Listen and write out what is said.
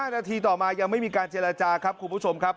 นาทีต่อมายังไม่มีการเจรจาครับคุณผู้ชมครับ